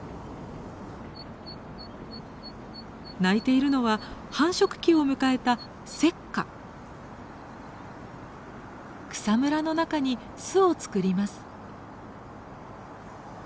鳴いているのは繁殖期を迎えた草むらの中に巣を作ります。